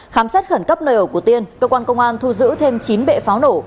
khám xét khẩn cấp nơi ở của tiên cơ quan công an thu giữ thêm chín bệ pháo nổ